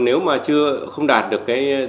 nếu mà chưa không đạt được